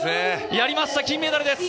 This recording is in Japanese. やりました、金メダルです。